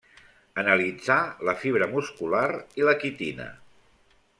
Analitzà la fibra muscular i la quitina.